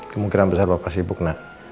kemungkinan besar bapak sibuk nak